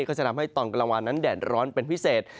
ก็จะทำให้ตอนกลางวันนั้นแดดร้อนเป็นพิเศษ